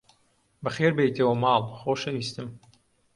بەخێربێیتەوە ماڵ، خۆشەویستم!